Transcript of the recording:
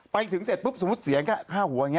ไปถึงเสร็จปุ๊บสมมุติเสียแค่ค่าหัวอย่างนี้